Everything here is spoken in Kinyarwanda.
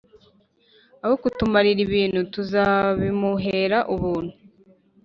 aho kutumarira ibintu tuzbimuhera ubuntu